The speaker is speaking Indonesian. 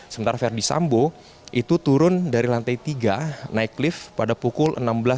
sementara verdi sambo itu turun dari lantai tiga naik lift pada pukul enam belas tiga puluh